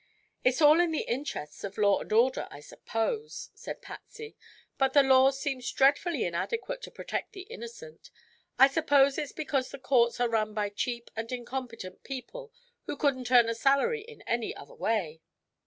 "It's all in the interests of law and order, I suppose," said Patsy; "but the law seems dreadfully inadequate to protect the innocent. I suppose it's because the courts are run by cheap and incompetent people who couldn't earn a salary in any other way."